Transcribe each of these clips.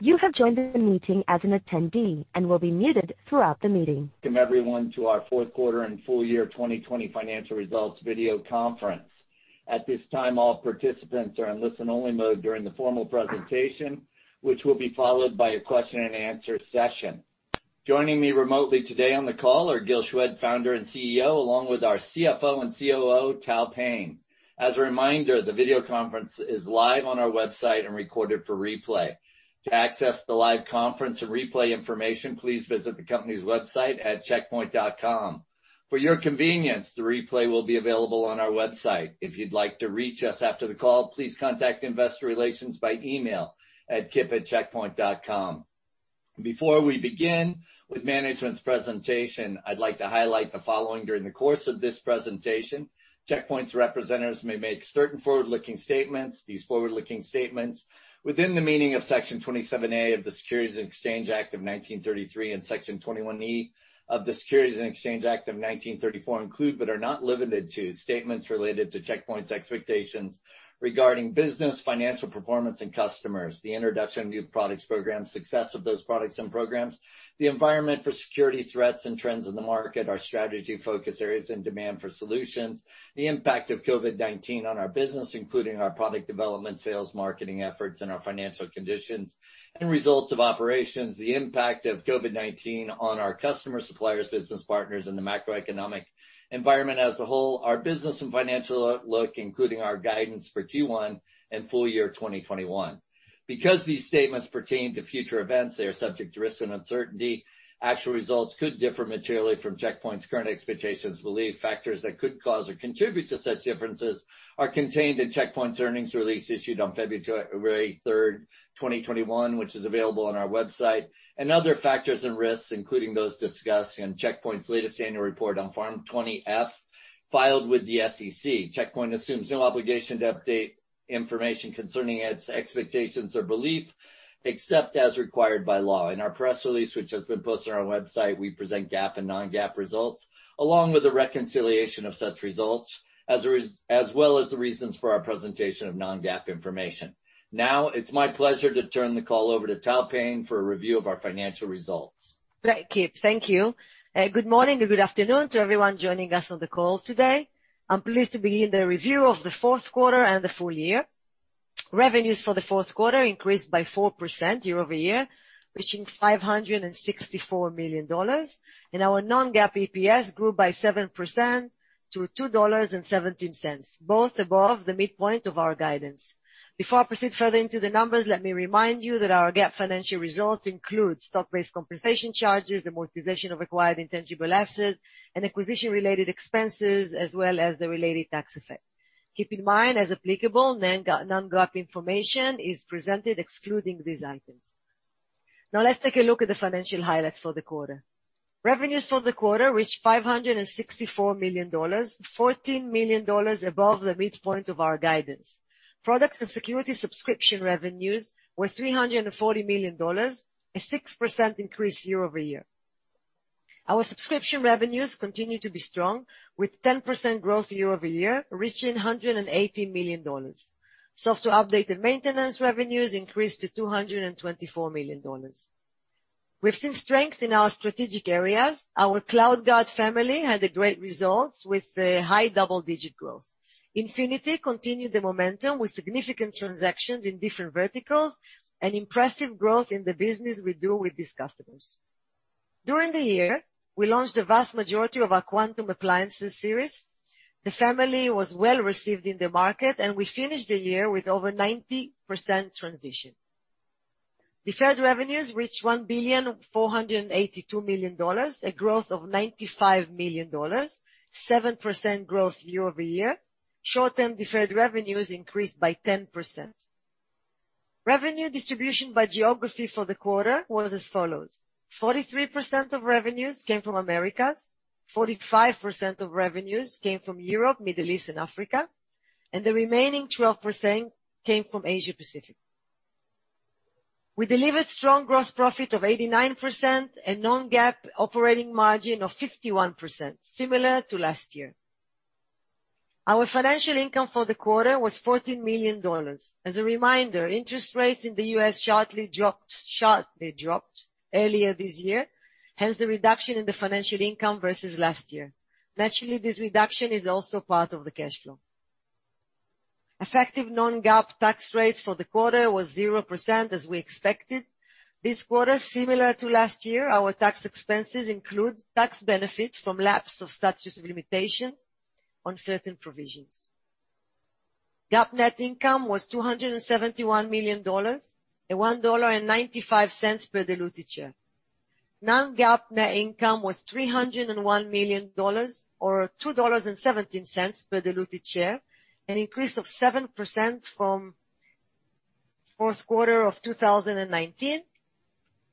Welcome everyone to our fourth quarter and full-year 2020 financial results video conference. At this time, all participants are in listen-only mode during the formal presentation, which will be followed by a question-and-answer session. Joining me remotely today on the call are Gil Shwed, Founder and CEO, along with our CFO and COO, Tal Payne. As a reminder, the video conference is live on our website and recorded for replay. To access the live conference and replay information, please visit the company's website at checkpoint.com. For your convenience, the replay will be available on our website. If you'd like to reach us after the call, please contact investor relations by email at kip@checkpoint.com. Before we begin with management's presentation, I'd like to highlight the following. During the course of this presentation, Check Point's representatives may make certain forward-looking statements. These forward-looking statements, within the meaning of Section 27A of the Securities Act of 1933 and Section 21E of the Securities Exchange Act of 1934, include but are not limited to statements related to Check Point's expectations regarding business, financial performance and customers, the introduction of new products, programs, success of those products and programs, the environment for security threats and trends in the market, our strategy, focus areas and demand for solutions, the impact of COVID-19 on our business, including our product development, sales, marketing efforts, and our financial conditions and results of operations, the impact of COVID-19 on our customer suppliers, business partners and the macroeconomic environment as a whole, our business and financial outlook, including our guidance for Q1 and full-year 2021. These statements pertain to future events, they are subject to risk and uncertainty. Actual results could differ materially from Check Point's current expectations and belief. Factors that could cause or contribute to such differences are contained in Check Point's earnings release issued on February 3rd, 2021, which is available on our website, and other factors and risks, including those discussed in Check Point's latest annual report on Form 20-F, filed with the SEC. Check Point assumes no obligation to update information concerning its expectations or belief, except as required by law. In our press release, which has been posted on our website, we present GAAP and non-GAAP results, along with the reconciliation of such results, as well as the reasons for our presentation of non-GAAP information. Now, it's my pleasure to turn the call over to Tal Payne for a review of our financial results. Great, Kip. Thank you. Good morning or good afternoon to everyone joining us on the call today. I'm pleased to begin the review of the fourth quarter and the full-year. Revenues for the fourth quarter increased by 4% year-over-year, reaching $564 million. Our non-GAAP EPS grew by 7% to $2.17, both above the midpoint of our guidance. Before I proceed further into the numbers, let me remind you that our GAAP financial results include stock-based compensation charges, amortization of acquired intangible assets, and acquisition-related expenses, as well as the related tax effect. Keep in mind, as applicable, non-GAAP information is presented excluding these items. Now, let's take a look at the financial highlights for the quarter. Revenues for the quarter reached $564 million, $14 million above the midpoint of our guidance. Products and security subscription revenues were $340 million, a 6% increase year-over-year. Our subscription revenues continue to be strong, with 10% growth year-over-year, reaching $118 million. Software update and maintenance revenues increased to $224 million. We've seen strength in our strategic areas. Our CloudGuard family had great results with a high double-digit growth. Infinity continued the momentum with significant transactions in different verticals and impressive growth in the business we do with these customers. During the year, we launched the vast majority of our Quantum Appliances series. The family was well-received in the market, we finished the year with over 90% transition. Deferred revenues reached $1.482 billion, a growth of $95 million, 7% growth year-over-year. Short-term deferred revenues increased by 10%. Revenue distribution by geography for the quarter was as follows: 43% of revenues came from Americas, 45% of revenues came from Europe, Middle East, and Africa, and the remaining 12% came from Asia-Pacific. We delivered strong gross profit of 89% and non-GAAP operating margin of 51%, similar to last year. Our financial income for the quarter was $14 million. As a reminder, interest rates in the U.S. sharply dropped earlier this year, hence the reduction in the financial income versus last year. Naturally, this reduction is also part of the cash flow. Effective non-GAAP tax rates for the quarter was 0% as we expected. This quarter, similar to last year, our tax expenses include tax benefits from lapse of statutes of limitation on certain provisions. GAAP net income was $271 million, at $1.95 per diluted share. Non-GAAP net income was $301 million, or $2.17 per diluted share, an increase of 7% from fourth quarter of 2019,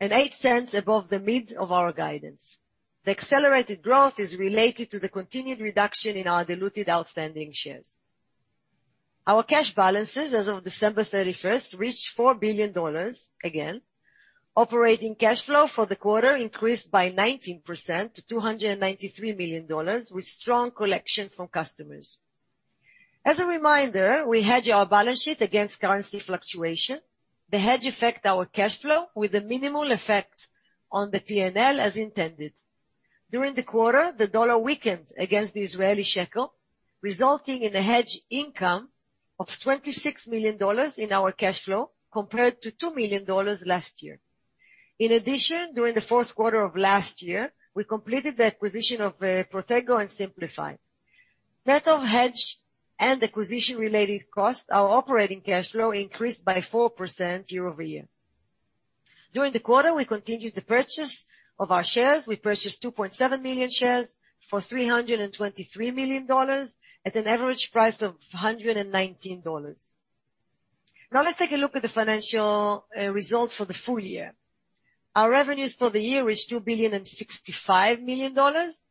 and $0.08 above the mid of our guidance. The accelerated growth is related to the continued reduction in our diluted outstanding shares. Our cash balances as of December 31st reached $4 billion, again. Operating cash flow for the quarter increased by 19% to $293 million, with strong collection from customers. As a reminder, we hedge our balance sheet against currency fluctuation. The hedge affect our cash flow with a minimal effect on the P&L as intended. During the quarter, the dollar weakened against the Israeli shekel, resulting in a hedge income of $26 million in our cash flow compared to $2 million last year. In addition, during the fourth quarter of last year, we completed the acquisition of Protego and Cymplify. Net of hedge and acquisition related costs, our operating cash flow increased by 4% year-over-year. During the quarter, we continued the purchase of our shares. We purchased 2.7 million shares for $323 million at an average price of $119. Now, let's take a look at the financial results for the full-year. Our revenues for the year is $2.065 billion,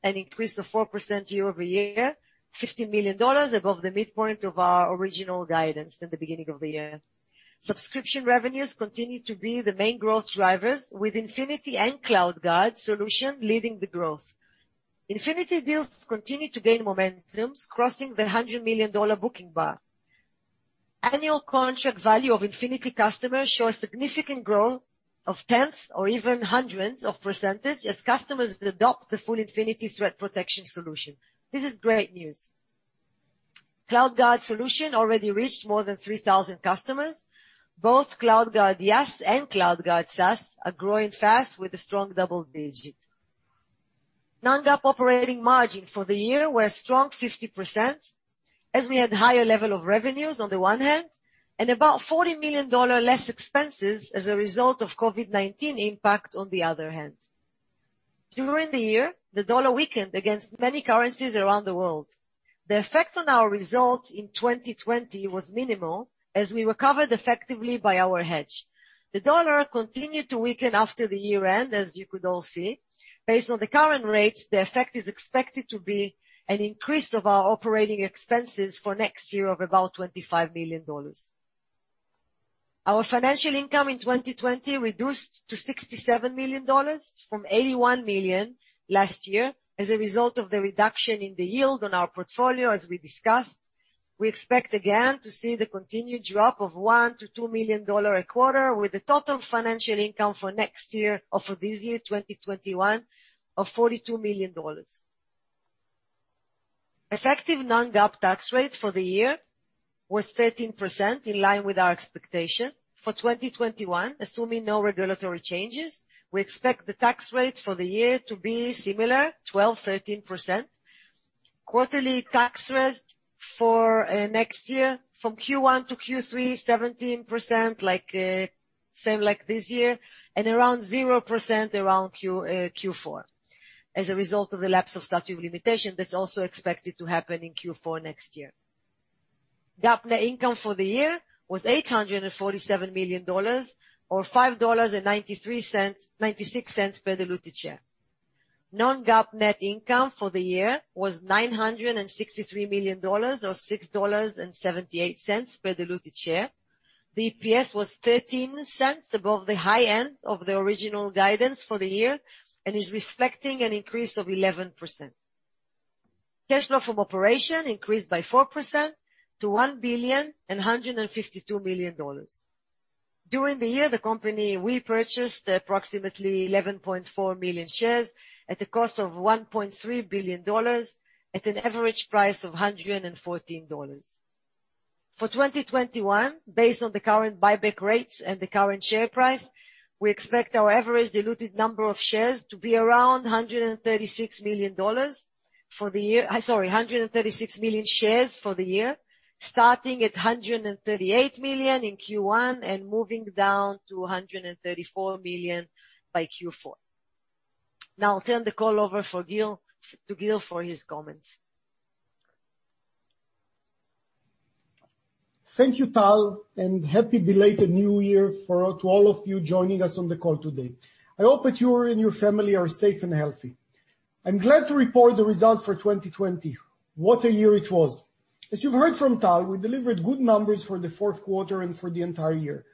an increase of 4% year-over-year, $50 million above the midpoint of our original guidance at the beginning of the year. Subscription revenues continue to be the main growth drivers with Infinity and CloudGuard solution leading the growth. Infinity deals continue to gain momentums, crossing the $100 million booking bar. Annual contract value of Infinity customers show a significant growth of tens or even hundreds of percentage as customers adopt the full Infinity threat protection solution. This is great news. CloudGuard solution already reached more than 3,000 customers. Both CloudGuard IaaS and CloudGuard SaaS are growing fast with a strong double digit. Non-GAAP operating margin for the year were a strong 50% as we had higher level of revenues on the one hand, and about $40 million less expenses as a result of COVID-19 impact on the other hand. During the year, the dollar weakened against many currencies around the world. The effect on our results in 2020 was minimal, as we recovered effectively by our hedge. The dollar continued to weaken after the year-end, as you could all see. Based on the current rates, the effect is expected to be an increase of our operating expenses for next year of about $25 million. Our financial income in 2020 reduced to $67 million from $81 million last year as a result of the reduction in the yield on our portfolio as we discussed. We expect again to see the continued drop of $1 million-$2 million a quarter with a total financial income for this year 2021 of $42 million. Effective non-GAAP tax rate for the year was 13%, in line with our expectation. For 2021, assuming no regulatory changes, we expect the tax rate for the year to be similar, 12%-13%. Quarterly tax rate for next year, from Q1 to Q3, 17%, same like this year, and around 0% around Q4 as a result of the lapse of statute of limitation that's also expected to happen in Q4 next year. GAAP net income for the year was $847 million or $5.96 per diluted share. Non-GAAP net income for the year was $963 million or $6.78 per diluted share. The EPS was $0.13 above the high end of the original guidance for the year and is reflecting an increase of 11%. Cash flow from operation increased by 4% to $1.152 billion. During the year, the company repurchased approximately 11.4 million shares at the cost of $1.3 billion at an average price of $114. For 2021, based on the current buyback rates and the current share price, we expect our average diluted number of shares to be around 136 million shares for the year, starting at 138 million in Q1 and moving down to 134 million by Q4. Now I'll turn the call over to Gil for his comments. Thank you, Tal. Happy belated New Year to all of you joining us on the call today. I hope that you and your family are safe and healthy. I'm glad to report the results for 2020. What a year it was. As you've heard from Tal, we delivered good numbers for the fourth quarter and for the entire year.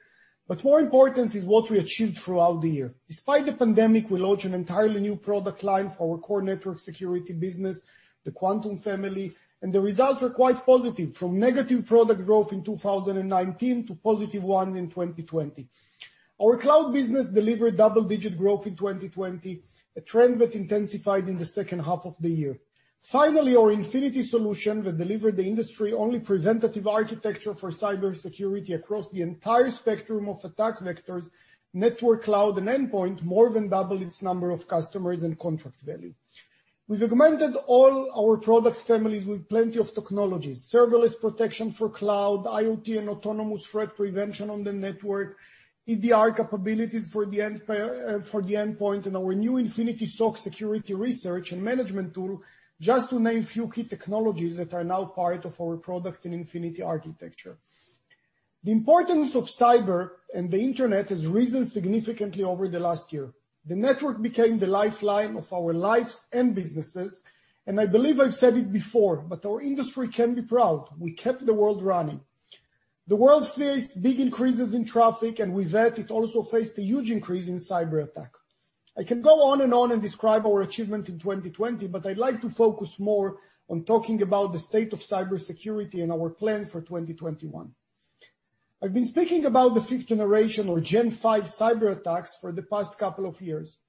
More important is what we achieved throughout the year. Despite the pandemic, we launched an entirely new product line for our core network security business, the Quantum family, and the results were quite positive, from negative product growth in 2019 to positive one in 2020. Our cloud business delivered double-digit growth in 2020, a trend that intensified in the second half of the year. Our Infinity solution that delivered the industry-only preventative architecture for cybersecurity across the entire spectrum of attack vectors, network, cloud, and endpoint, more than doubled its number of customers and contract value. We've augmented all our products families with plenty of technologies, serverless protection for cloud, IoT and autonomous threat prevention on the network, EDR capabilities for the endpoint, and our new Infinity SOC security research and management tool, just to name a few key technologies that are now part of our products in Infinity architecture. The importance of cyber and the internet has risen significantly over the last year. The network became the lifeline of our lives and businesses, and I believe I've said it before, but our industry can be proud. We kept the world running. The world faced big increases in traffic, and with that, it also faced a huge increase in cyberattack. I can go on and on and describe our achievement in 2020, I'd like to focus more on talking about the state of cybersecurity and our plans for 2021. I've been speaking about the fifth generation, or Gen V cyberattacks for the past couple of years.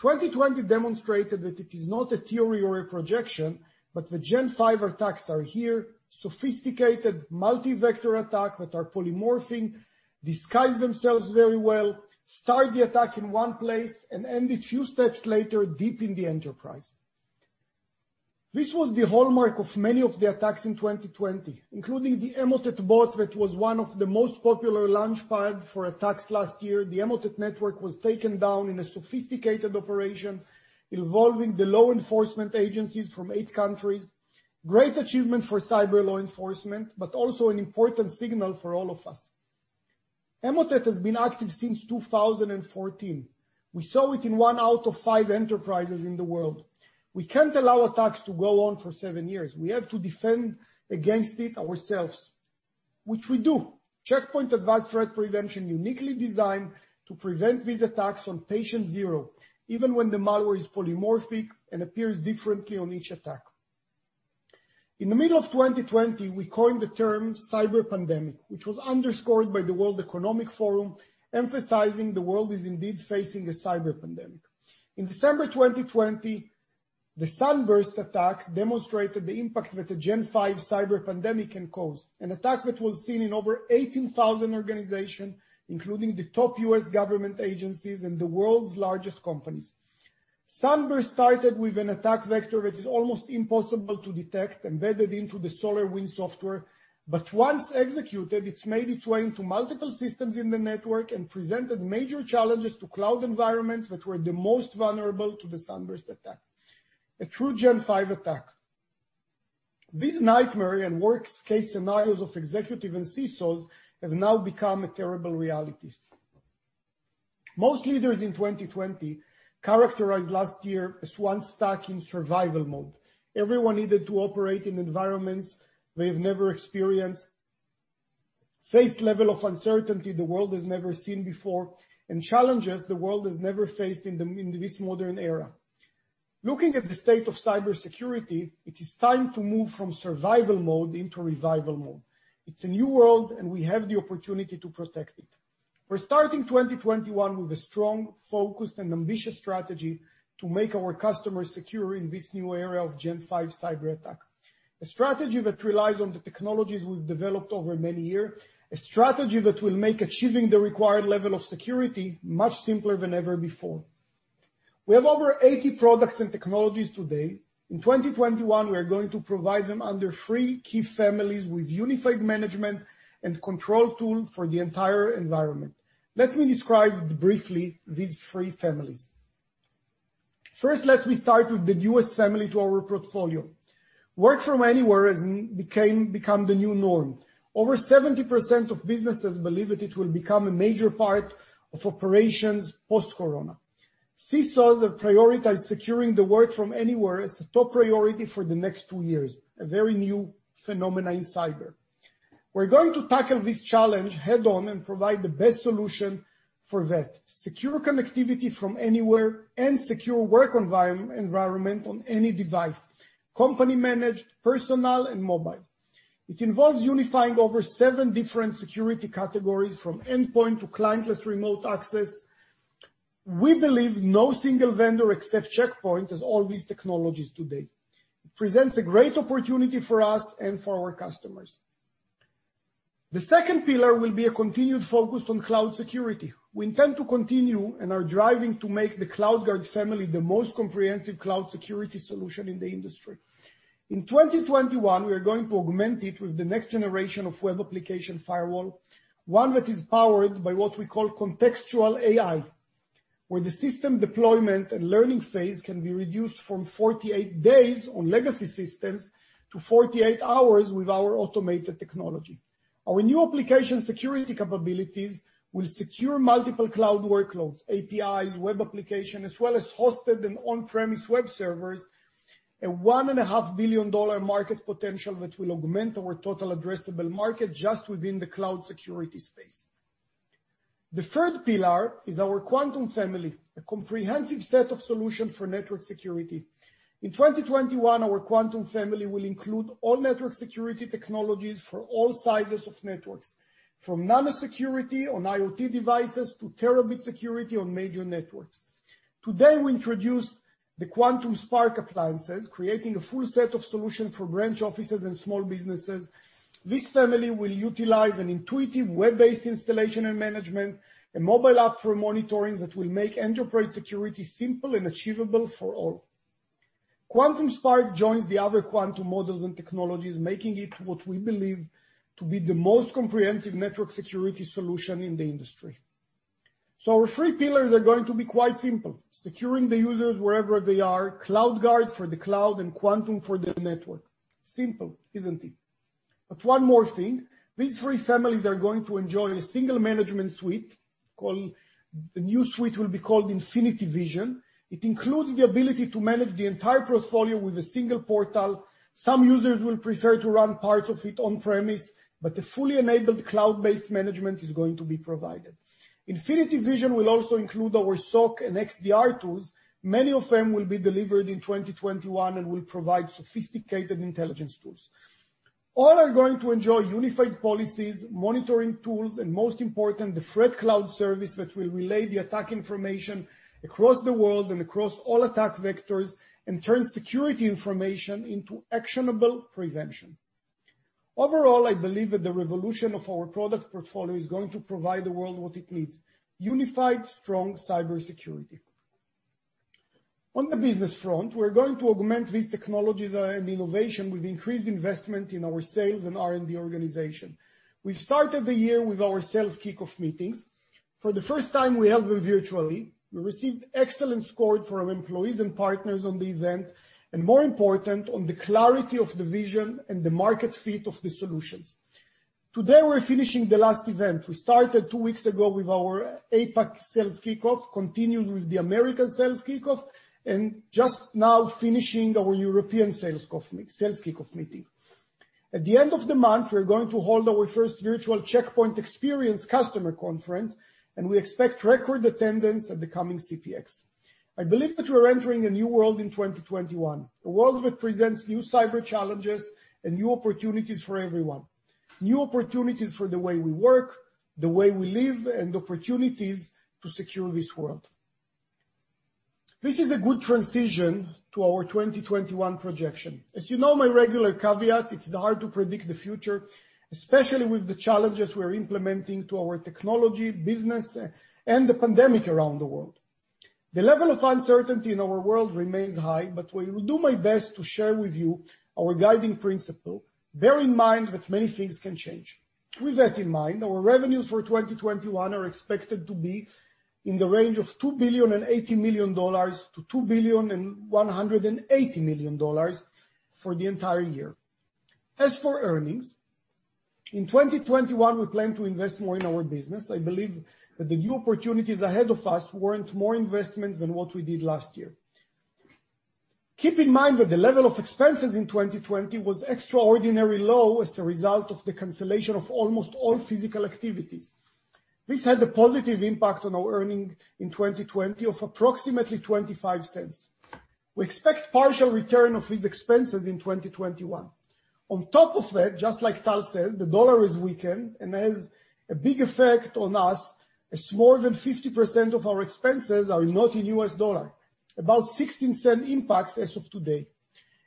2020 demonstrated that it is not a theory or a projection, the Gen V attacks are here, sophisticated multi-vector attack that are polymorphing, disguise themselves very well, start the attack in one place, and end it two steps later, deep in the enterprise. This was the hallmark of many of the attacks in 2020, including the Emotet bot, that was one of the most popular launchpad for attacks last year. The Emotet network was taken down in a sophisticated operation involving the law enforcement agencies from eight countries. Great achievement for cyber law enforcement, also an important signal for all of us. Emotet has been active since 2014. We saw it in one out of five enterprises in the world. We can't allow attacks to go on for seven years. We have to defend against it ourselves, which we do. Check Point advanced threat prevention uniquely designed to prevent these attacks on patient zero, even when the malware is polymorphic and appears differently on each attack. In the middle of 2020, we coined the term cyber pandemic, which was underscored by the World Economic Forum, emphasizing the world is indeed facing a cyber pandemic. In December 2020, the SUNBURST attack demonstrated the impact that a Gen V cyber pandemic can cause, an attack that was seen in over 18,000 organization, including the top U.S. government agencies and the world's largest companies. SUNBURST started with an attack vector that is almost impossible to detect, embedded into the SolarWinds software, but once executed, it's made its way into multiple systems in the network and presented major challenges to cloud environments that were the most vulnerable to the SUNBURST attack, a true Gen V attack. These nightmare and worst case scenarios of executive and CISOs have now become a terrible reality. Most leaders in 2020 characterized last year as one stuck in survival mode. Everyone needed to operate in environments they've never experienced, faced level of uncertainty the world has never seen before, and challenges the world has never faced in this modern era. Looking at the state of cybersecurity, it is time to move from survival mode into revival mode. It's a new world, and we have the opportunity to protect it. We're starting 2021 with a strong, focused, and ambitious strategy to make our customers secure in this new era of Gen V cyberattack. A strategy that relies on the technologies we've developed over many years, a strategy that will make achieving the required level of security much simpler than ever before. We have over 80 products and technologies today. In 2021, we are going to provide them under three key families with unified management and control tool for the entire environment. Let me describe briefly these three families. First, let me start with the newest family to our portfolio. Work from anywhere has become the new norm. Over 70% of businesses believe that it will become a major part of operations post-corona. CISOs have prioritized securing the work from anywhere as a top priority for the next two years, a very new phenomena in cyber. We're going to tackle this challenge head-on and provide the best solution for that secure connectivity from anywhere and secure work environment on any device, company managed, personal, and mobile. It involves unifying over seven different security categories, from endpoint to clientless remote access. We believe no single vendor except Check Point has all these technologies today. It presents a great opportunity for us and for our customers. The second pillar will be a continued focus on cloud security. We intend to continue and are driving to make the CloudGuard family the most comprehensive cloud security solution in the industry. In 2021, we are going to augment it with the next generation of web application firewall, one that is powered by what we call contextual AI, where the system deployment and learning phase can be reduced from 48 days on legacy systems to 48 hours with our automated technology. Our new application security capabilities will secure multiple cloud workloads, APIs, web application, as well as hosted and on-premise web servers, a $1.5 billion market potential that will augment our total addressable market just within the cloud security space. The third pillar is our Quantum family, a comprehensive set of solutions for network security. In 2021, our Quantum family will include all network security technologies for all sizes of networks, from nano security on IoT devices to terabit security on major networks. Today, we introduced the Quantum Spark appliances, creating a full set of solutions for branch offices and small businesses. This family will utilize an intuitive web-based installation and management, a mobile app for monitoring that will make enterprise security simple and achievable for all. Quantum Spark joins the other Quantum models and technologies, making it what we believe to be the most comprehensive network security solution in the industry. Our three pillars are going to be quite simple, securing the users wherever they are, CloudGuard for the cloud, and Quantum for the network. Simple, isn't it? One more thing, these three families are going to enjoy a single management suite. The new suite will be called Infinity Vision. It includes the ability to manage the entire portfolio with a single portal. Some users will prefer to run parts of it on-premise, but the fully enabled cloud-based management is going to be provided. Infinity Vision will also include our SOC and XDR tools. Many of them will be delivered in 2021 and will provide sophisticated intelligence tools. All are going to enjoy unified policies, monitoring tools, and most important, the ThreatCloud service, which will relay the attack information across the world and across all attack vectors and turn security information into actionable prevention. Overall, I believe that the revolution of our product portfolio is going to provide the world what it needs, unified, strong cybersecurity. On the business front, we're going to augment this technology and innovation with increased investment in our sales and R&D organization. We started the year with our sales kickoff meetings. For the first time, we held them virtually. We received excellent scores from employees and partners on the event, and more important, on the clarity of the vision and the market fit of the solutions. Today, we're finishing the last event. We started two weeks ago with our APAC sales kickoff, continued with the American sales kickoff. Just now finishing our European sales kickoff meeting. At the end of the month, we're going to hold our first virtual Check Point Experience customer conference. We expect record attendance at the coming CPX. I believe that we're entering a new world in 2021, a world that presents new cyber challenges and new opportunities for everyone. New opportunities for the way we work, the way we live. Opportunities to secure this world. This is a good transition to our 2021 projection. As you know, my regular caveat, it's hard to predict the future, especially with the challenges we're implementing to our technology, business. The pandemic around the world. The level of uncertainty in our world remains high, but I will do my best to share with you our guiding principle, bear in mind that many things can change. With that in mind, our revenues for 2021 are expected to be in the range of $2.08 billion-$2.18 billion for the entire year. As for earnings, in 2021, we plan to invest more in our business. I believe that the new opportunities ahead of us warrant more investment than what we did last year. Keep in mind that the level of expenses in 2020 was extraordinarily low as a result of the cancellation of almost all physical activities. This had a positive impact on our earnings in 2020 of approximately $0.25. We expect partial return of these expenses in 2021. On top of that, just like Tal said, the dollar is weakened and has a big effect on us, as more than 50% of our expenses are not in U.S. dollar. About $0.16 impact as of today.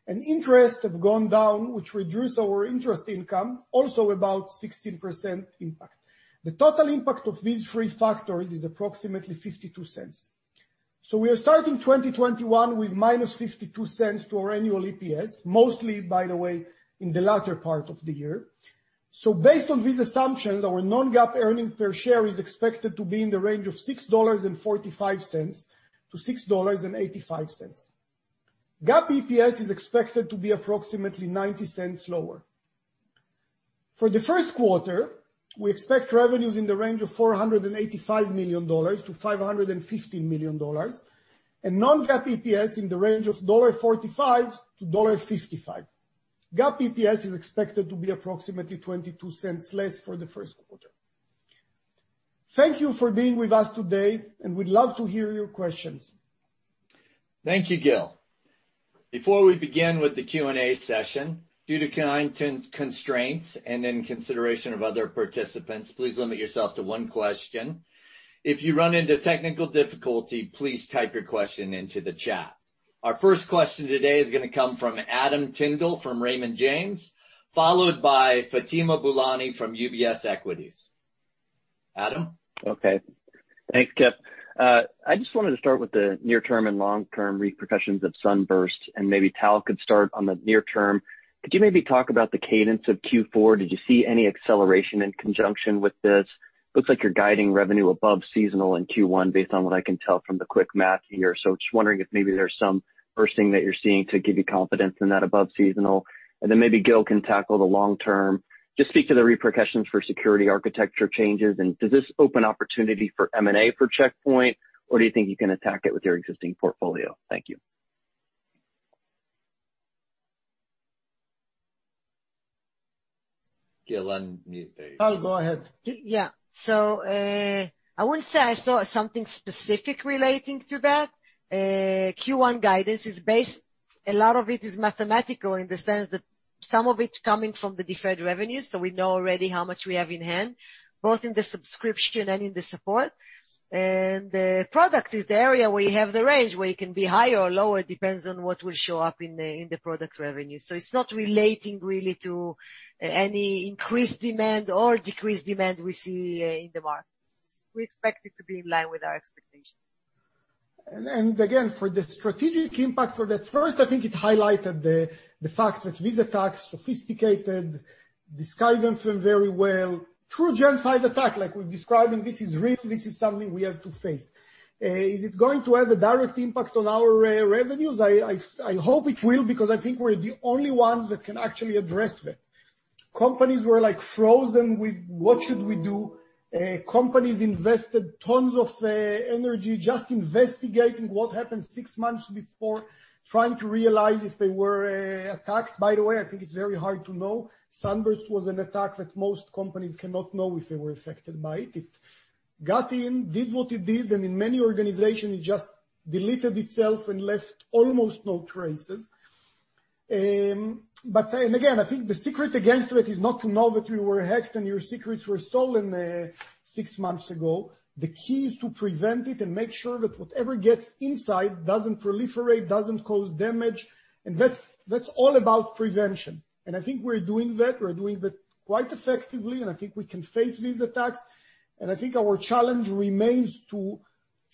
Interest have gone down, which reduced our interest income, also about $0.16 impact. The total impact of these three factors is approximately $0.52. We are starting 2021 with -$0.52 to our annual EPS, mostly, by the way, in the latter part of the year. Based on these assumptions, our non-GAAP earnings per share is expected to be in the range of $6.45-$6.85. GAAP EPS is expected to be approximately $0.90 lower. For the first quarter, we expect revenues in the range of $485 million-$515 million, and non-GAAP EPS in the range of $1.45-$1.55. GAAP EPS is expected to be approximately $0.22 less for the first quarter. Thank you for being with us today, and we'd love to hear your questions. Thank you, Gil. Before we begin with the Q&A session, due to time constraints and in consideration of other participants, please limit yourself to one question. If you run into technical difficulty, please type your question into the chat. Our first question today is going to come from Adam Tindle from Raymond James, followed by Fatima Boolani from UBS Equities. Adam? Thanks, Kip. I just wanted to start with the near-term and long-term repercussions of SUNBURST, maybe Tal could start on the near term. Could you maybe talk about the cadence of Q4? Did you see any acceleration in conjunction with this? Looks like you're guiding revenue above seasonal in Q1 based on what I can tell from the quick math here. Just wondering if maybe there's some bursting that you're seeing to give you confidence in that above seasonal. Then maybe Gil can tackle the long term. Just speak to the repercussions for security architecture changes, does this open opportunity for M&A for Check Point, or do you think you can attack it with your existing portfolio? Thank you. Gil, unmute please. Tal, go ahead. Yeah, I wouldn't say I saw something specific relating to that. Q1 guidance, a lot of it is mathematical in the sense that some of it's coming from the deferred revenue, we know already how much we have in hand, both in the subscription and in the support. The product is the area where you have the range, where it can be higher or lower, it depends on what will show up in the product revenue. It's not relating really to any increased demand or decreased demand we see in the market. We expect it to be in line with our expectations. Again, for the strategic impact for that, first, I think it highlighted the fact that these attacks, sophisticated, disguised them very well. True Gen V attack, like we're describing, this is real, this is something we have to face. Is it going to have a direct impact on our revenues? I hope it will because I think we're the only ones that can actually address that. Companies were frozen with what should we do? Companies invested tons of energy just investigating what happened six months before, trying to realize if they were attacked. By the way, I think it's very hard to know. SUNBURST was an attack that most companies cannot know if they were affected by it. It got in, did what it did, and in many organizations, it just deleted itself and left almost no traces. Again, I think the secret against that is not to know that you were hacked, and your secrets were stolen six months ago. The key is to prevent it and make sure that whatever gets inside doesn't proliferate, doesn't cause damage. That's all about prevention. I think we're doing that. We're doing that quite effectively, and I think we can face these attacks. I think our challenge remains to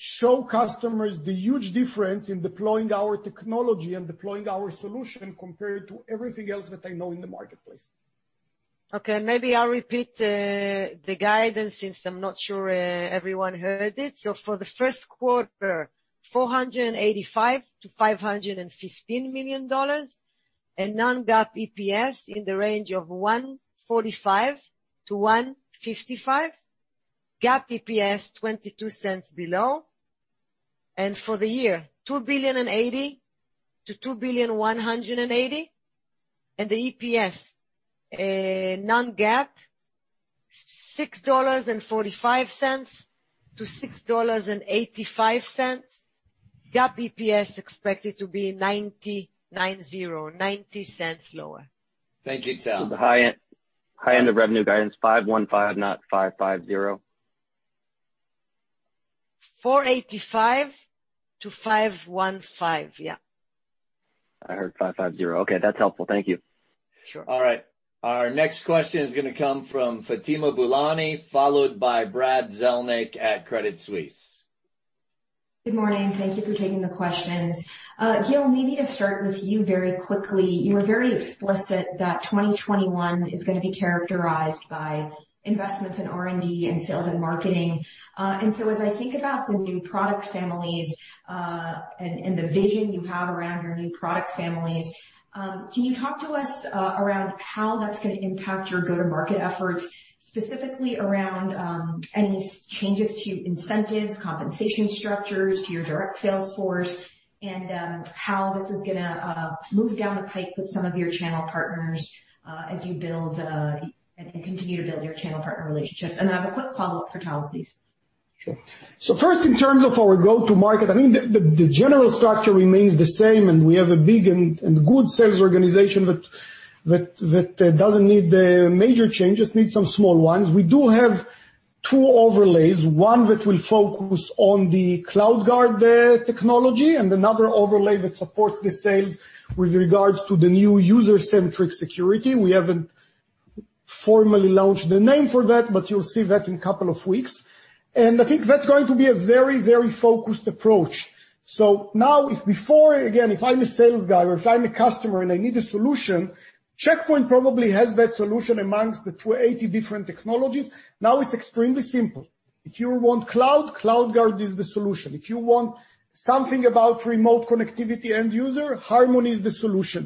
show customers the huge difference in deploying our technology and deploying our solution compared to everything else that they know in the marketplace. Okay, maybe I'll repeat the guidance since I'm not sure everyone heard it. For the first quarter, $485 million-$515 million. Non-GAAP EPS in the range of $1.45-$1.55. GAAP EPS $0.22 below. For the year, $2.08 billion-$2.18 billion. The EPS, non-GAAP, $6.45-$6.85. GAAP EPS expected to be $0.90 lower. Thank you, Tal. The high end of revenue guidance, $515, not $550? $485 million-$515 million, yeah. I heard $550. Okay, that's helpful. Thank you. Sure. All right. Our next question is going to come from Fatima Boolani, followed by Brad Zelnick at Credit Suisse. Good morning. Thank you for taking the questions. Gil, maybe to start with you very quickly. You were very explicit that 2021 is going to be characterized by investments in R&D and sales and marketing. As I think about the new product families, and the vision you have around your new product families, can you talk to us around how that's going to impact your go-to market efforts, specifically around any changes to incentives, compensation structures to your direct sales force, and how this is going to move down the pipe with some of your channel partners as you build and continue to build your channel partner relationships? I have a quick follow-up for Tal, please. Sure. First, in terms of our go-to market, I think the general structure remains the same, and we have a big and good sales organization that doesn't need major changes, needs some small ones. We do have two overlays, one that will focus on the CloudGuard technology and another overlay that supports the sales with regards to the new user-centric security. We haven't formally launched the name for that, but you'll see that in a couple of weeks. I think that's going to be a very focused approach. Now, if before, again, if I'm a sales guy, or if I'm a customer and I need a solution, Check Point probably has that solution amongst the 280 different technologies. Now it's extremely simple. If you want cloud, CloudGuard is the solution. If you want something about remote connectivity end user, Harmony is the solution.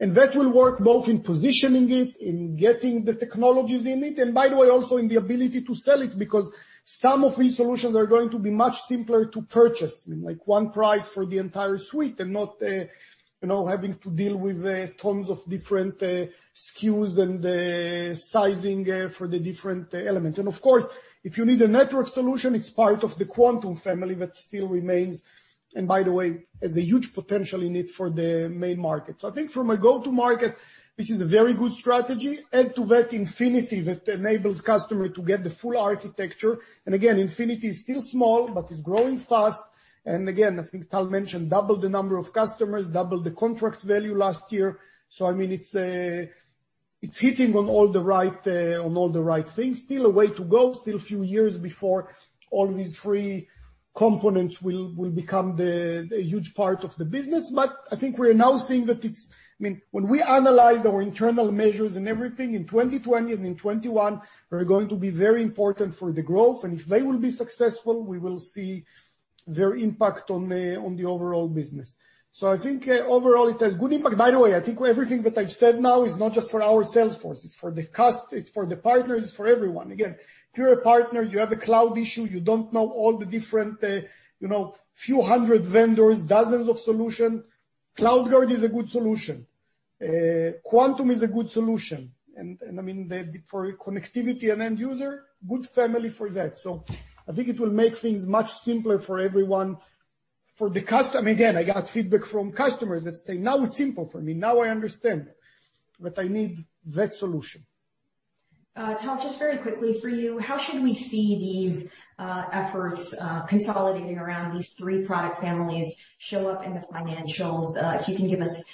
That will work both in positioning it, in getting the technologies in it, by the way, also in the ability to sell it because some of these solutions are going to be much simpler to purchase, like one price for the entire suite and not having to deal with tons of different SKUs and sizing for the different elements. Of course, if you need a network solution, it's part of the Quantum family that still remains. By the way, has a huge potential in it for the main market. I think from a go-to market, this is a very good strategy. Add to that Infinity, that enables customer to get the full architecture. Again, Infinity is still small but is growing fast. Again, I think Tal mentioned, double the number of customers, double the contract value last year. I mean, it's hitting on all the right things. Still a way to go, still a few years before all these three components will become a huge part of the business. I think we're now seeing that I mean, when we analyze our internal measures and everything in 2020 and in 2021, we're going to be very important for the growth. If they will be successful, we will see their impact on the overall business. I think overall it has good impact. I think everything that I've said now is not just for our sales force, it's for the partners, it's for everyone. If you're a partner, you have a cloud issue, you don't know all the different few hundred vendors, dozens of solution, CloudGuard is a good solution. Quantum is a good solution. I mean, for connectivity and end user, good family for that. I think it will make things much simpler for everyone. For the again, I got feedback from customers that say, "Now, it's simple for me. Now I understand that I need that solution." Tal, just very quickly for you, how should we see these efforts consolidating around these three product families show up in the financials? If you can give us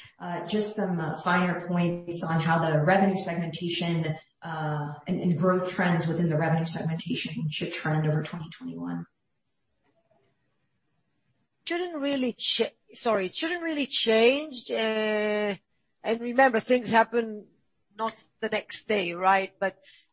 just some finer points on how the revenue segmentation, and growth trends within the revenue segmentation should trend over 2021. Shouldn't really change. Remember, things happen not the next day, right?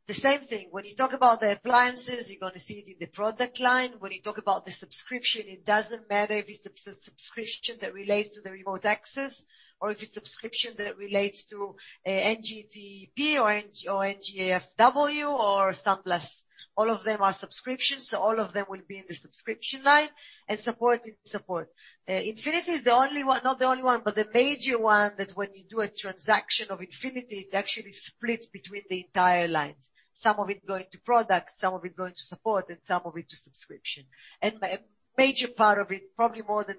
The same thing, when you talk about the appliances, you're going to see it in the product line. When you talk about the subscription, it doesn't matter if it's a subscription that relates to the remote access or if it's subscription that relates to NGTP or NGFW or SandBlast. All of them are subscriptions, all of them will be in the subscription line, support is support. Infinity is the only one, not the only one, the major one, that when you do a transaction of Infinity, it actually splits between the entire lines, some of it going to product, some of it going to support, some of it to subscription. A major part of it, probably more than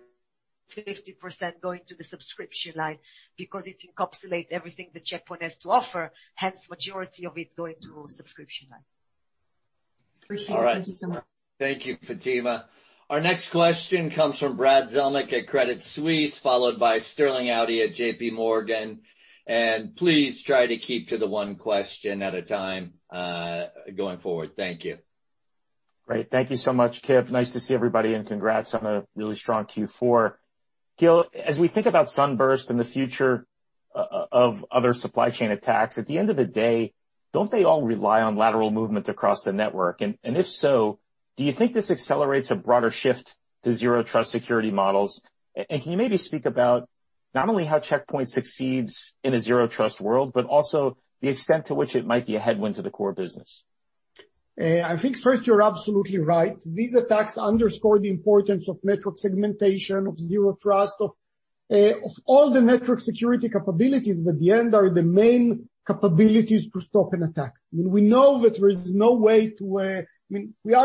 50%, going to the subscription line because it encapsulates everything that Check Point has to offer, hence majority of it going to subscription line. Appreciate it, thank you so much. Thank you, Fatima. Our next question comes from Brad Zelnick at Credit Suisse, followed by Sterling Auty at JPMorgan. Please try to keep to the one question at a time, going forward. Thank you. Great. Thank you so much, Kip. Nice to see everybody, and congrats on a really strong Q4. Gil, as we think about SUNBURST and the future of other supply chain attacks, at the end of the day, don't they all rely on lateral movement across the network? If so, do you think this accelerates a broader shift to zero trust security models? Can you maybe speak about not only how Check Point succeeds in a zero trust world, but also the extent to which it might be a headwind to the core business? I think first, you're absolutely right. These attacks underscore the importance of network segmentation, of zero trust, of all the network security capabilities that in the end are the main capabilities to stop an attack. We are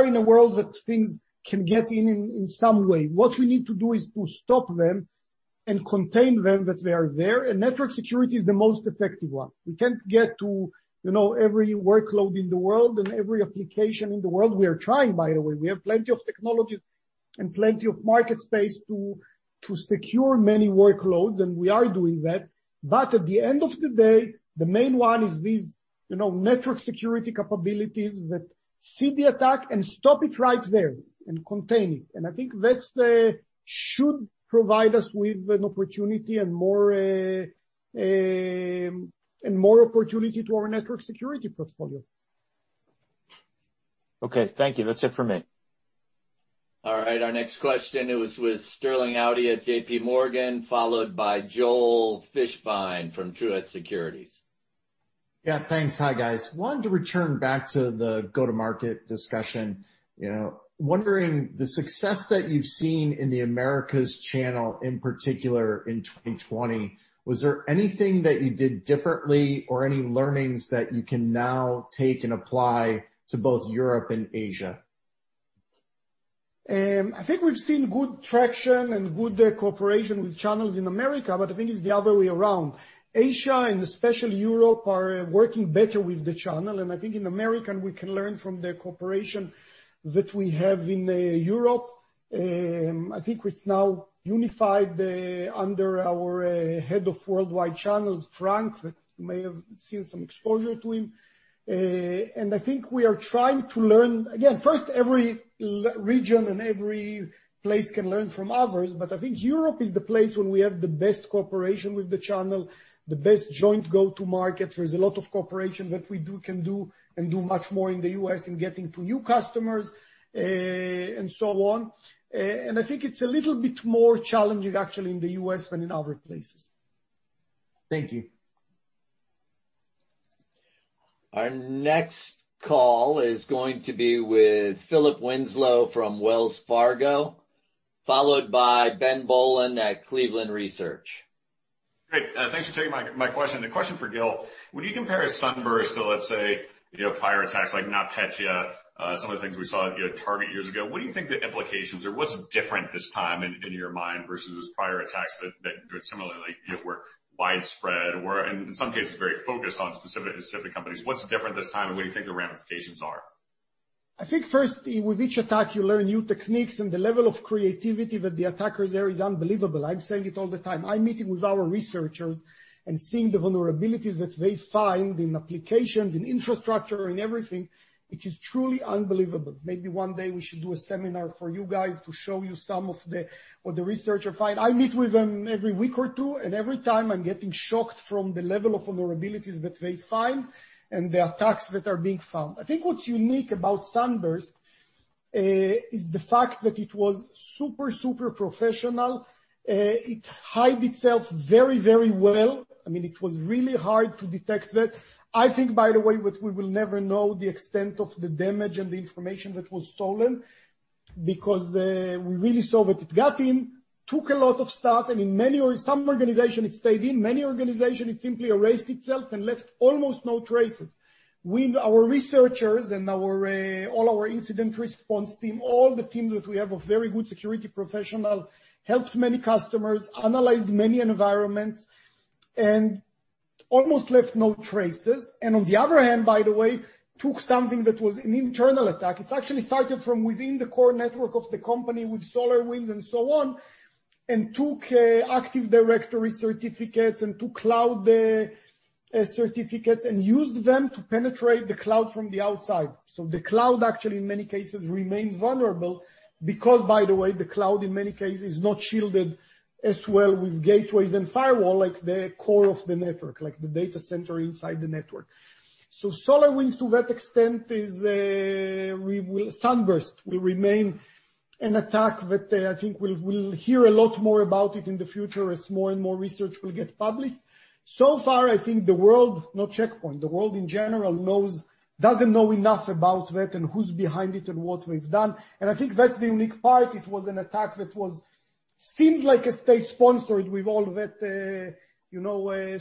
in a world that things can get in some way. What we need to do is to stop them and contain them that they are there. Network security is the most effective one. We can't get to every workload in the world and every application in the world. We are trying, by the way. We have plenty of technology and plenty of market space to secure many workloads, and we are doing that. At the end of the day, the main one is these network security capabilities that see the attack and stop it right there and contain it. I think that should provide us with an opportunity and more opportunity to our network security portfolio. Okay, thank you. That's it for me. All right, our next question is with Sterling Auty at JPMorgan, followed by Joel Fishbein from Truist Securities. Yeah, thanks. Hi, guys. I wanted to return back to the go-to-market discussion. I'm wondering, the success that you've seen in the Americas channel, in particular in 2020, was there anything that you did differently or any learnings that you can now take and apply to both Europe and Asia? I think we've seen good traction and good cooperation with channels in America, but I think it's the other way around. Asia, especially Europe, are working better with the channel, and I think in America, we can learn from the cooperation that we have in Europe. I think it's now unified under our head of worldwide channels, Frank, that you may have seen some exposure to him. I think we are trying to learn. Again, first, every region and every place can learn from others. I think Europe is the place where we have the best cooperation with the channel, the best joint go-to-market. There is a lot of cooperation that we can do, and do much more in the U.S. in getting to new customers, and so on. I think it's a little bit more challenging, actually, in the U.S. than in other places. Thank you. Our next call is going to be with Philip Winslow from Wells Fargo, followed by Ben Bollin at Cleveland Research. Great, rhanks for taking my question. A question for Gil. When you compare SUNBURST to, let's say, prior attacks like NotPetya, some of the things we saw at Target years ago, what do you think the implications, or what's different this time, in your mind, versus those prior attacks that similarly were widespread or, in some cases, very focused on specific companies? What's different this time, what do you think the ramifications are? I think first, with each attack, you learn new techniques, and the level of creativity that the attackers have is unbelievable, I'm saying it all the time. I'm meeting with our researchers and seeing the vulnerabilities that they find in applications, in infrastructure, in everything. It is truly unbelievable. Maybe one day we should do a seminar for you guys to show you some of what the researchers find. I meet with them every week or two, and every time, I'm getting shocked from the level of vulnerabilities that they find and the attacks that are being found. I think what's unique about SUNBURST is the fact that it was super professional. It hide itself very, very well. It was really hard to detect that. I think, by the way, that we will never know the extent of the damage and the information that was stolen because we really saw that it got in, took a lot of stuff, and in some organizations, it stayed in. Many organizations, it simply erased itself and left almost no traces. With our researchers and all our incident response team, all the team that we have of very good security professionals, helped many customers, analyzed many environments, and almost left no traces. On the other hand, by the way, took something that was an internal attack. It actually started from within the core network of the company with SolarWinds and so on, and took Active Directory certificates and took cloud certificates and used them to penetrate the cloud from the outside. The cloud actually, in many cases, remained vulnerable because, by the way, the cloud, in many cases, is not shielded as well with gateways and firewall like the core of the network, like the data center inside the network. SolarWinds, to that extent, SUNBURST will remain an attack that I think we'll hear a lot more about it in the future as more and more research will get published. So far, I think the world, not Check Point, the world in general doesn't know enough about that and who's behind it and what we've done, and I think that's the unique part. It was an attack that seems like a state-sponsored with all that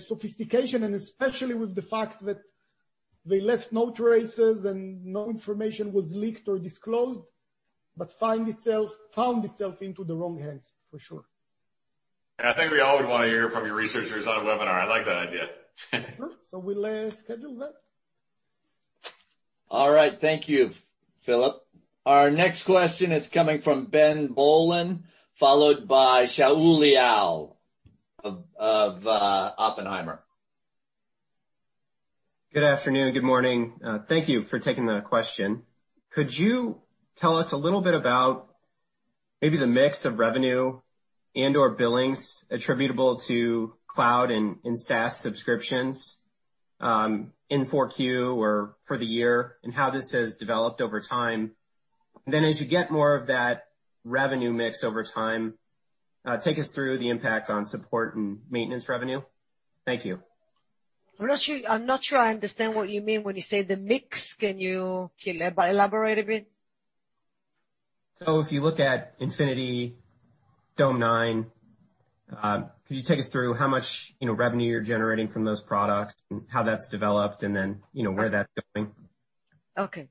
sophistication, and especially with the fact that they left no traces and no information was leaked or disclosed, but found itself into the wrong hands, for sure. I think we all would want to hear from your researchers on a webinar. I like that idea. We'll schedule that. All right. Thank you, Philip. Our next question is coming from Ben Bollin, followed by Shaul Eyal of Oppenheimer. Good afternoon, good morning. Thank you for taking the question. Could you tell us a little bit about maybe the mix of revenue and/or billings attributable to cloud and SaaS subscriptions, in Q4 or for the year, and how this has developed over time? Then, as you get more of that revenue mix over time, take us through the impact on support and maintenance revenue. Thank you. I'm not sure I understand what you mean when you say the mix. Can you elaborate a bit? If you look at Infinity Dome9, could you take us through how much revenue you're generating from those products and how that's developed and then where that's going? Okay.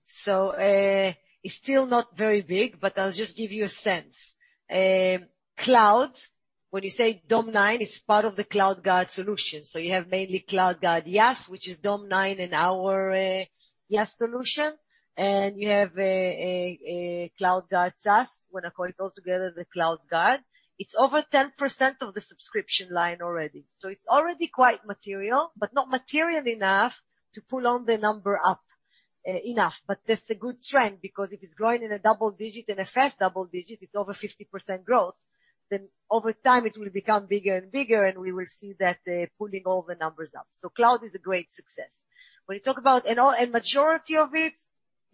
It's still not very big, but I'll just give you a sense. Cloud, when you say Dome9, it's part of the CloudGuard solution. You have mainly CloudGuard IaaS, which is Dome9 and our IaaS solution, and you have a CloudGuard SaaS. When I call it all together, the CloudGuard, it's over 10% of the subscription line already. It's already quite material, but not material enough to pull on the number up enough. That's a good trend because if it's growing in a double digit and a fast double digit, it's over 50% growth, then over time it will become bigger and bigger, and we will see that pulling all the numbers up. Cloud is a great success. Majority of it,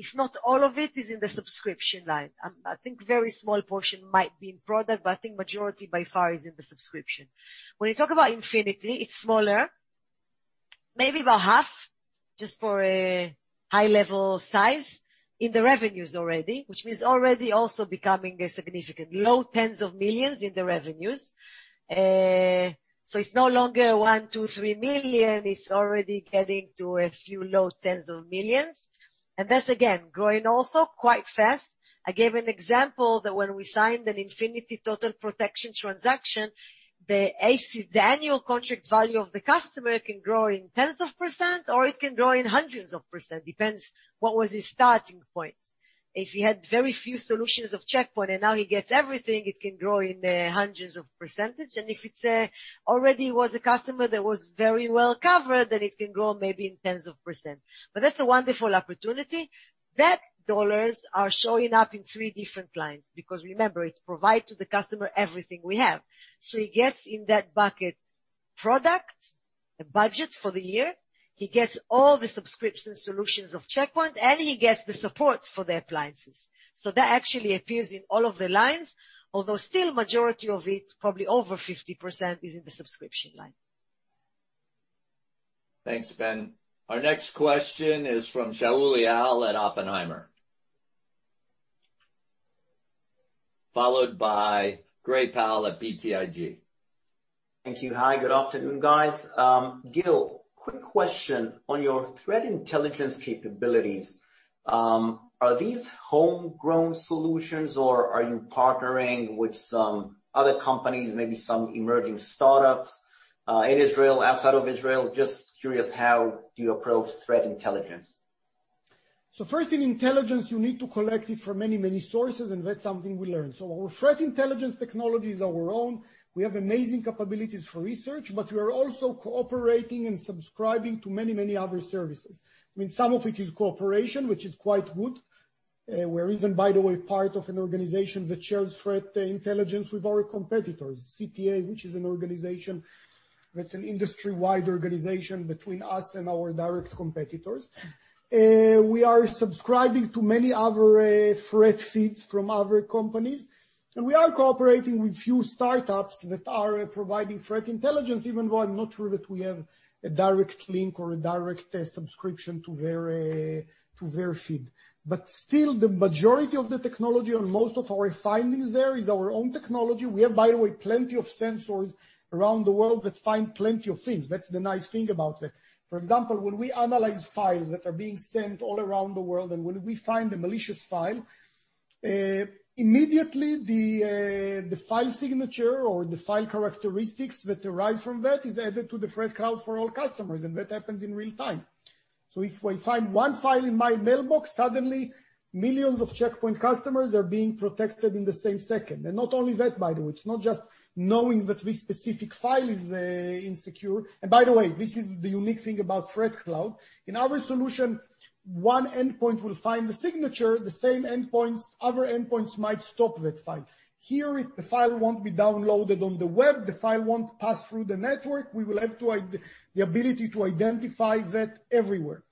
if not all of it, is in the subscription line. I think very small portion might be in product, but I think majority by far is in the subscription. When you talk about Infinity, it's smaller, maybe about half, just for a high-level size in the revenues already, which means already also becoming a significant low tens of millions in the revenues. It's no longer $1 million, $2 million, $3 million, it's already getting to a few low tens of millions. That's again, growing also quite fast. I gave an example that when we signed an Infinity Total Protection transaction, the annual contract value of the customer can grow in tens of percent or it can grow in hundreds of percent, depends what was his starting point. If he had very few solutions of Check Point and now he gets everything, it can grow in hundreds of percent. If it already was a customer that was very well covered, then it can grow maybe in tens of percent. That's a wonderful opportunity. That dollars are showing up in three different lines because remember, it provide to the customer everything we have. He gets in that bucket, product, a budget for the year. He gets all the subscription solutions of Check Point, and he gets the support for the appliances. That actually appears in all of the lines, although still majority of it, probably over 50%, is in the subscription line. Thanks, Ben. Our next question is from Shaul Eyal at Oppenheimer. Followed by Gray Powell at BTIG. Thank you. Hi, good afternoon, guys. Gil, quick question on your threat intelligence capabilities. Are these homegrown solutions or are you partnering with some other companies, maybe some emerging startups, in Israel, outside of Israel? Just curious how do you approach threat intelligence? First, in intelligence, you need to collect it from many sources, and that's something we learned. Our threat intelligence technology is our own. We have amazing capabilities for research, we are also cooperating and subscribing to many other services. I mean, some of it is cooperation, which is quite good. We're even, by the way, part of an organization that shares threat intelligence with our competitors, CTA, which is an organization that's an industry-wide organization between us and our direct competitors. We are subscribing to many other threat feeds from other companies, we are cooperating with few startups that are providing threat intelligence, even though I'm not sure that we have a direct link or a direct subscription to their feed. Still, the majority of the technology or most of our findings there is our own technology. We have, by the way, plenty of sensors around the world that find plenty of things. That's the nice thing about it. For example, when we analyze files that are being sent all around the world and when we find a malicious file, immediately the file signature or the file characteristics that arise from that is added to the ThreatCloud for all customers, and that happens in real time. If I find one file in my mailbox, suddenly millions of Check Point customers are being protected in the same second. Not only that, by the way, it's not just knowing that this specific file is insecure. By the way, this is the unique thing about ThreatCloud. In our solution, one endpoint will find the signature, the same endpoints, other endpoints might stop that file. Here, the file won't be downloaded on the web, the file won't pass through the network. We will have the ability to identify that everywhere.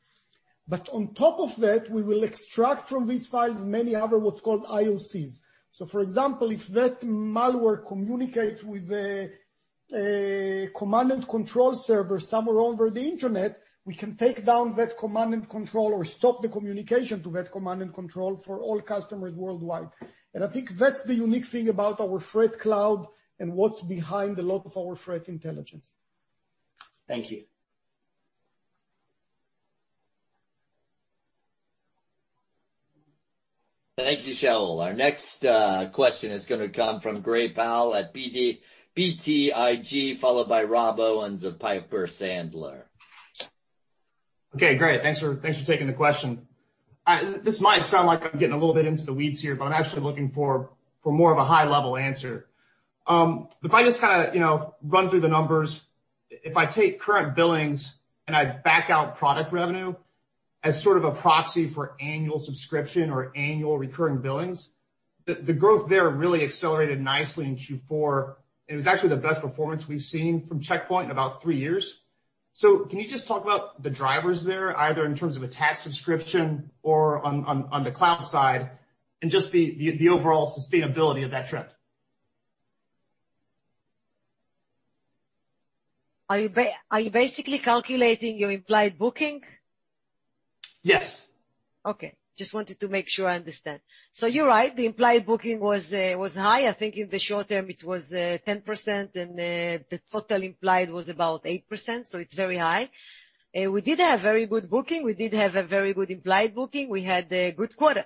On top of that, we will extract from these files many other what's called IoCs. For example, if that malware communicates with a command and control server somewhere over the internet, we can take down that command and control or stop the communication to that command and control for all customers worldwide. I think that's the unique thing about our ThreatCloud and what's behind a lot of our threat intelligence. Thank you. Thank you, Shaul. Our next question is going to come from Gray Powell at BTIG, followed by Rob Owens of Piper Sandler. Okay, great. Thanks for taking the question. This might sound like I'm getting a little bit into the weeds here, I'm actually looking for more of a high-level answer. If I just kind of run through the numbers, if I take current billings and I back out product revenue as sort of a proxy for annual subscription or annual recurring billings, the growth there really accelerated nicely in Q4, it was actually the best performance we've seen from Check Point in about three years. Can you just talk about the drivers there, either in terms of attached subscription or on the cloud side, just the overall sustainability of that trend? Are you basically calculating your implied booking? Yes. Okay, just wanted to make sure I understand. You're right, the implied booking was high. I think in the short term, it was 10%, and the total implied was about 8%, so it's very high. We did have very good booking. We did have a very good implied booking. We had a good quarter.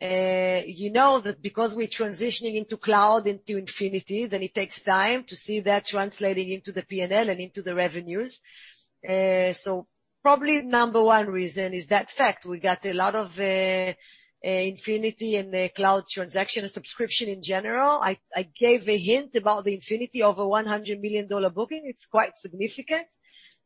You know that because we're transitioning into cloud, into Infinity, then it takes time to see that translating into the P&L and into the revenues. Probably number one reason is that fact. We got a lot of Infinity and cloud transaction subscription in general. I gave a hint about the Infinity over $100 million booking. It's quite significant.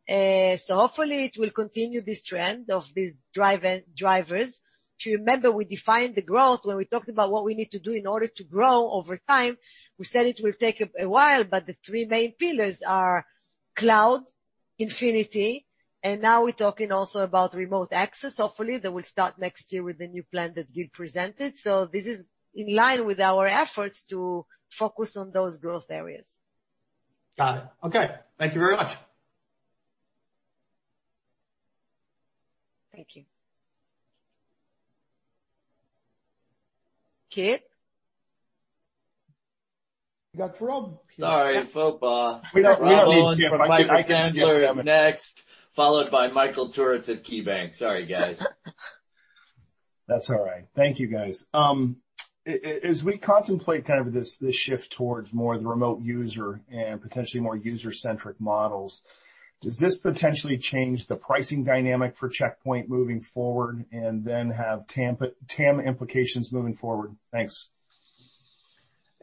Hopefully it will continue this trend of these drivers. If you remember, we defined the growth when we talked about what we need to do in order to grow over time. We said it will take a while. The three main pillars are cloud, Infinity, and now we're talking also about remote access. Hopefully, that will start next year with the new plan that Gil presented. This is in line with our efforts to focus on those growth areas. Got it. Okay, thank you very much. Thank you. Kip? We got Rob. Sorry, we'll go to Rob Owens of Piper Sandler next, followed by Michael Turits at KeyBanc. Sorry, guys. That's all right. Thank you, guys. As we contemplate kind of this shift towards more the remote user and potentially more user-centric models, does this potentially change the pricing dynamic for Check Point moving forward and then have TAM implications moving forward? Thanks.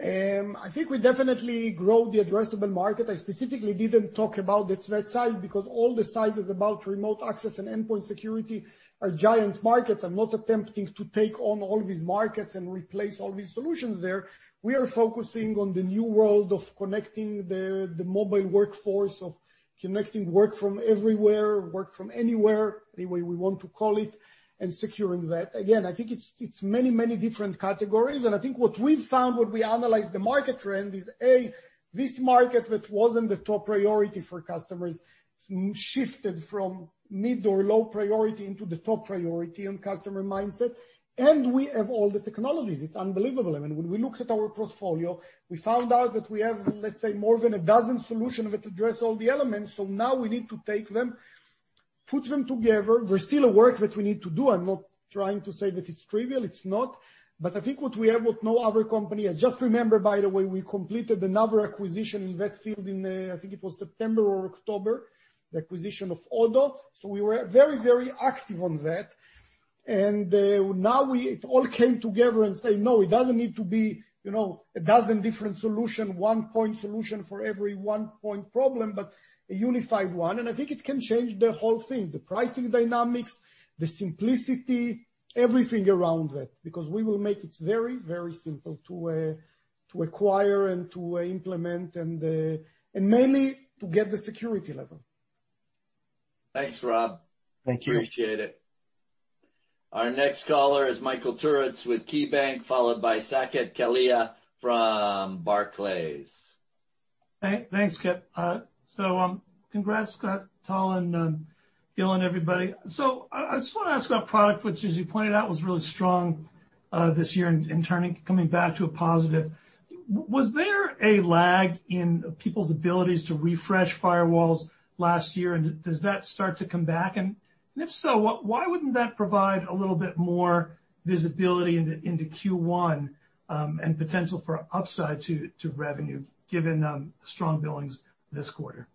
I think we definitely grow the addressable market. I specifically didn't talk about that threat size because all the sizes about remote access and endpoint security are giant markets. I'm not attempting to take on all these markets and replace all these solutions there. We are focusing on the new world of connecting the mobile workforce, of connecting work from everywhere, work from anywhere, any way we want to call it, and securing that. Again, I think it's many, many different categories, and I think what we've found when we analyze the market trend is, A, this market that wasn't the top priority for customers shifted from mid or low priority into the top priority on customer mindset, and we have all the technologies. It's unbelievable. I mean, when we looked at our portfolio, we found out that we have, let's say, more than a dozen solution that address all the elements. Now we need to take them, put them together. There's still work that we need to do. I'm not trying to say that it's trivial, it's not. I think what we have, what no other company Just remember, by the way, we completed another acquisition in that field in, I think it was September or October, the acquisition of Odo Security. We were very, very active on that, and now it all came together and say, no, it doesn't need to be a dozen different solution, one point solution for every one point problem, but a unified one. I think it can change the whole thing, the pricing dynamics, the simplicity, everything around that, because we will make it very, very simple to acquire and to implement and mainly to get the security level. Thank you. Thanks, Rob. Appreciate it. Our next caller is Michael Turits with KeyBanc, followed by Saket Kalia from Barclays. Thanks, Kip. Congrats Tal, Gil, and everybody. I just want to ask about product, which as you pointed out, was really strong, this year in turning, coming back to a positive. Was there a lag in people's abilities to refresh firewalls last year, and does that start to come back? If so, why wouldn't that provide a little bit more visibility into Q1, and potential for upside to revenue given the strong billings this quarter?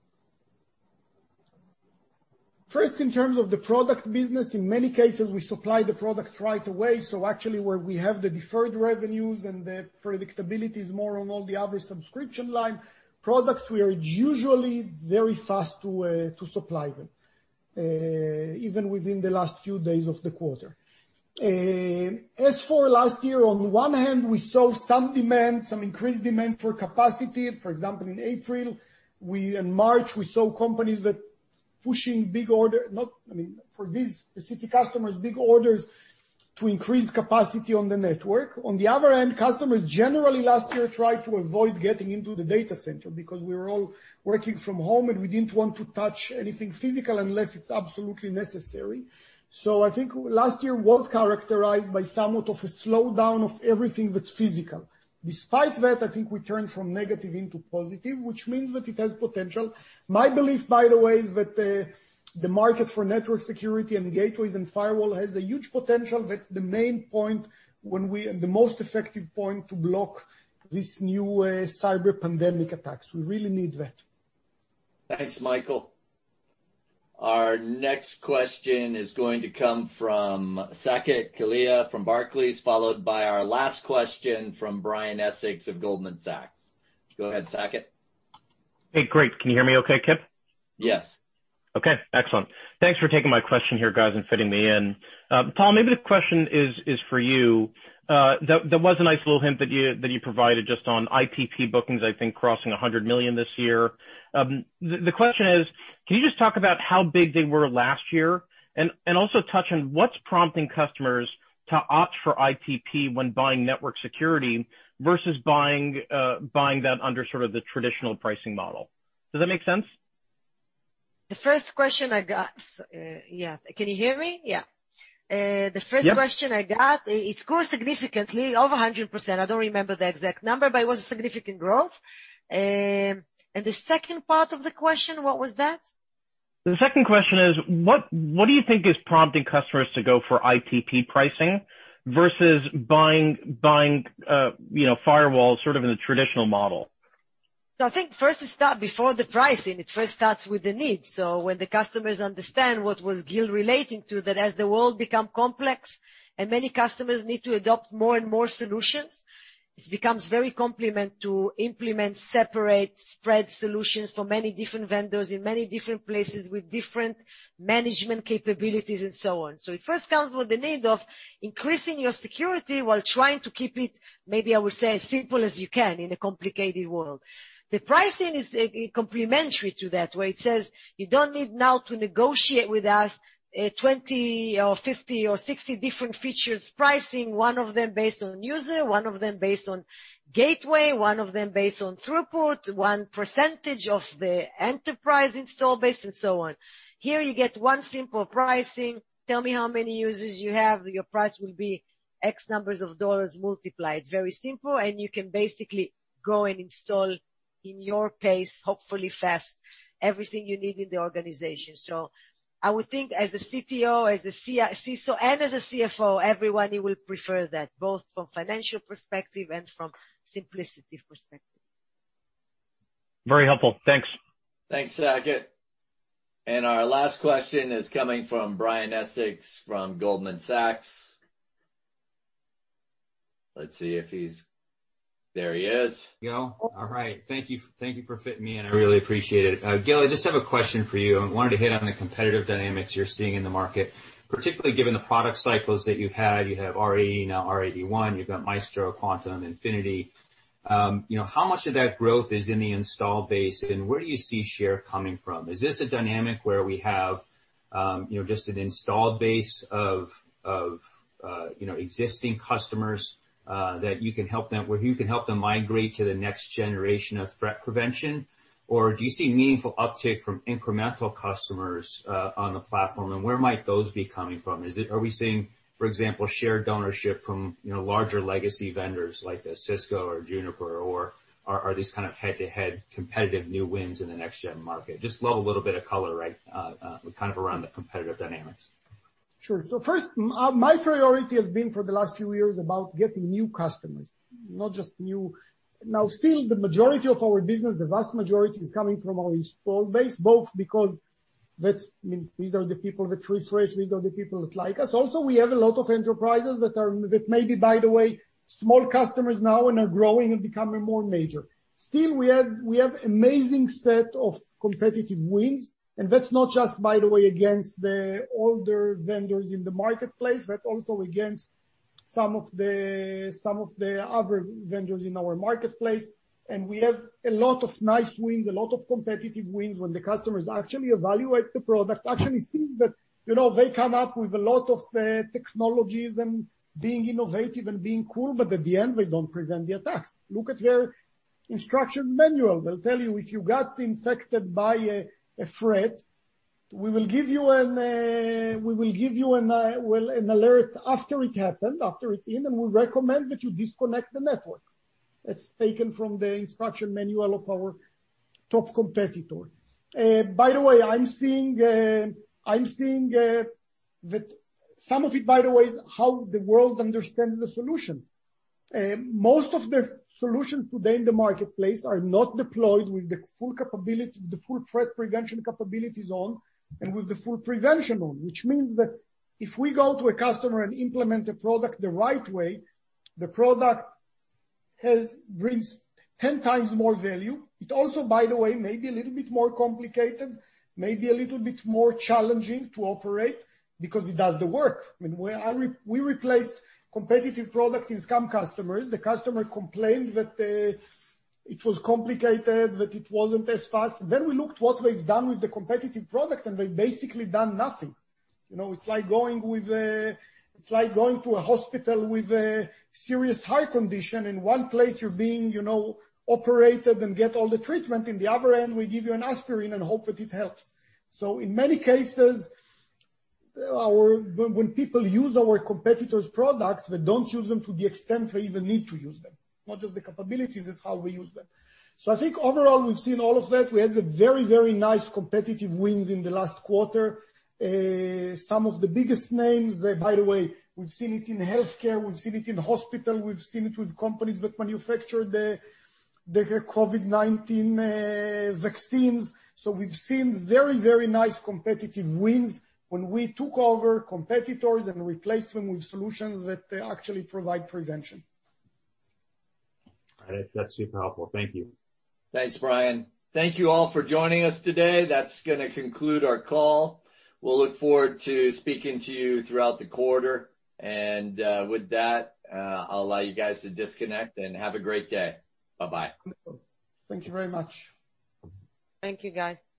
First, in terms of the product business, in many cases, we supply the products right away. Actually, where we have the deferred revenues and the predictability is more on all the other subscription-line products, we are usually very fast to supply them, even within the last few days of the quarter. As for last year, on one hand, we saw some increased demand for capacity. For example, in April and March, we saw companies pushing, for these specific customers, big orders to increase capacity on the network. On the other end, customers generally last year tried to avoid getting into the data center because we were all working from home, and we didn't want to touch anything physical unless it's absolutely necessary. I think last year was characterized by somewhat of a slowdown of everything that's physical. Despite that, I think we turned from negative into positive, which means that it has potential. My belief, by the way, is that the market for network security and gateways and firewall has a huge potential. That's the main point, the most effective point to block this new cyber pandemic attacks. We really need that. Thanks, Michael. Our next question is going to come from Saket Kalia from Barclays, followed by our last question from Brian Essex of Goldman Sachs. Go ahead, Saket. Hey, great. Can you hear me okay, Kip? Yes. Okay, excellent. Thanks for taking my question here, guys, and fitting me in. Tal, maybe the question is for you. There was a nice little hint that you provided just on ITP bookings, I think, crossing $100 million this year. The question is, can you just talk about how big they were last year? Also touch on what's prompting customers to opt for ITP when buying network security versus buying that under sort of the traditional pricing model. Does that make sense? Yeah, can you hear me? Yeah. Yeah, the first question I got, it grew significantly, over 100%. I don't remember the exact number, but it was a significant growth. The second part of the question, what was that? The second question is, what do you think is prompting customers to go for ITP pricing versus buying firewall sort of in the traditional model? I think first it starts before the pricing, it first starts with the need. When the customers understand what was Gil relating to, that as the world becomes complex and many customers need to adopt more and more solutions, it becomes very complicated to implement separate, disparate solutions for many different vendors in many different places with different management capabilities and so on. It first comes with the need of increasing your security while trying to keep it, maybe I would say, as simple as you can in a complicated world. The pricing is complementary to that, where it says you don't need now to negotiate with us 20 or 50 or 60 different features pricing, one of them based on user, one of them based on gateway, one of them based on throughput, 1% of the enterprise install base, and so on. Here, you get one simple pricing. Tell me how many users you have, your price will be x numbers of dollars multiplied. Very simple, and you can basically go and install in your pace, hopefully fast, everything you need in the organization. I would think as a CTO, as a CSO, and as a CFO, everybody will prefer that, both from financial perspective and from simplicity perspective. Very helpful, thanks. Thanks, Saket. Our last question is coming from Brian Essex from Goldman Sachs. Let's see if he's. There he is. All right, thank you for fitting me in. I really appreciate it. Gil, I just have a question for you. I wanted to hit on the competitive dynamics you're seeing in the market, particularly given the product cycles that you've had. You have R80, now R81, you've got Maestro, Quantum, Infinity. How much of that growth is in the install base, and where do you see share coming from? Is this a dynamic where we have just an installed base of existing customers that you can help them migrate to the next generation of threat prevention? Do you see meaningful uptick from incremental customers on the platform, and where might those be coming from? Are we seeing, for example, shared ownership from larger legacy vendors like a Cisco or Juniper, or are these kind of head-to-head competitive new wins in the next-gen market? Just love a little bit of color, kind of around the competitive dynamics. Sure. First, my priority has been for the last few years about getting new customers. Now, still the majority of our business, the vast majority, is coming from our installed base, both because these are the people that we switch, these are the people that like us. Also, we have a lot of enterprises that maybe, by the way, small customers now and are growing and becoming more major. Still, we have amazing set of competitive wins, and that's not just, by the way, against the older vendors in the marketplace, that's also against some of the other vendors in our marketplace. We have a lot of nice wins, a lot of competitive wins when the customers actually evaluate the product, actually see that they come up with a lot of technologies and being innovative and being cool, but at the end, they don't prevent the attacks. Look at their instruction manual. They'll tell you, if you got infected by a threat, we will give you an alert after it happened, after it's in, and we recommend that you disconnect the network. That's taken from the instruction manual of our top competitor. By the way, some of it, by the way, is how the world understands the solution. Most of the solutions today in the marketplace are not deployed with the full threat prevention capabilities on and with the full prevention on. Which means that if we go to a customer and implement a product the right way, the product brings 10 times more value. It also, by the way, may be a little bit more complicated, may be a little bit more challenging to operate because it does the work. We replaced competitive product in some customers. The customer complained that it was complicated, that it wasn't as fast. We looked what they've done with the competitive product, and they've basically done nothing. It's like going to a hospital with a serious heart condition. In one place, you're being operated and get all the treatment. In the other end, we give you an aspirin and hope that it helps. In many cases, when people use our competitors' products, they don't use them to the extent they even need to use them. Not just the capabilities, it's how we use them. I think overall, we've seen all of that. We had a very, very nice competitive wins in the last quarter. Some of the biggest names, by the way, we've seen it in healthcare, we've seen it in hospital, we've seen it with companies that manufacture the COVID-19 vaccines. We've seen very nice competitive wins when we took over competitors and replaced them with solutions that actually provide prevention. All right, that's super helpful. Thank you. Thanks, Brian. Thank you all for joining us today. That's going to conclude our call. We'll look forward to speaking to you throughout the quarter. With that, I'll allow you guys to disconnect, and have a great day. Bye-bye. Thank you very much. Thank you, guys.